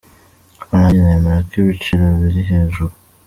Ariko nanjye nemera ko ibiciro biri hejuru.